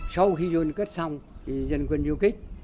sau khi trôn cất xong thì dân quân diêu kích